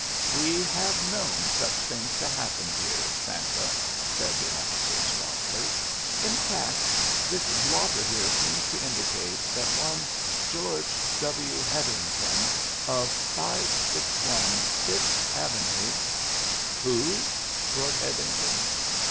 "We have known such things to happen here, Santa," said the officer, suavely. "In fact, this blotter here seems to indicate that one George W. Hetherington, of 561 Fifth Avenue " "Who?" roared Hetherington.